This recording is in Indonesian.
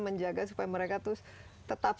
menjaga supaya mereka tuh tetap